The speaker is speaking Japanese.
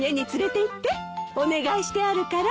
お願いしてあるから。